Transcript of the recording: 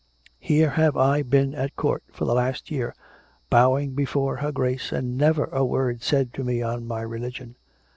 Here have I been at court for the last year, bowing before her Grace, and never a word said to me on my religion.